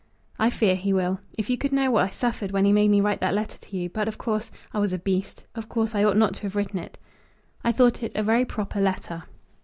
"I fear he will. If you could know what I suffered when he made me write that letter to you! But, of course, I was a beast. Of course, I ought not to have written it." "I thought it a very proper letter."